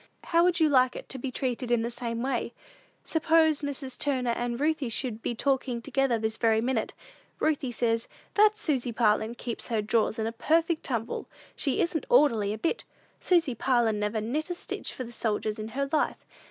How would you like it to be treated in the same way? Suppose Mrs. Turner and Ruthie should be talking together this very minute. Ruthie says, 'That Susy Parlin keeps her drawers in a perfect tumble; she isn't orderly a bit. Susy Parlin never knit a stitch for the soldiers in her life.